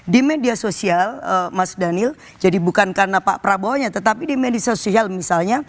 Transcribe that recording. di media sosial mas daniel jadi bukan karena pak prabowo nya tetapi di media sosial misalnya